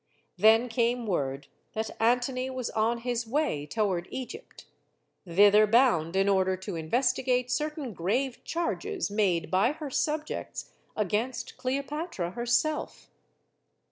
Then came word that Antony was on his way toward Egypt; thither bound in order to investigate certain grave charges made by her subjects against Cleopatra herself.